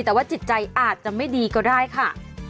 แต่ว่าจิตใจอาจจะไม่ดีก็ได้ค่ะ